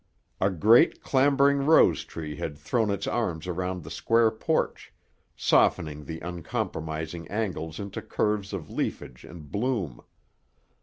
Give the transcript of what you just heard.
A great, clambering rose tree had thrown its arms around the square porch, softening the uncompromising angles into curves of leafage and bloom.